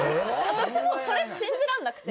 私もそれ信じられなくて。